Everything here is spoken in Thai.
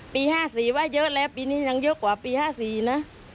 ๕๔ว่าเยอะแล้วปีนี้ยังเยอะกว่าปี๕๔นะ